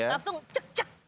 langsung cek cek